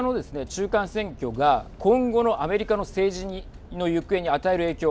中間選挙が今後のアメリカの政治の行方に与える影響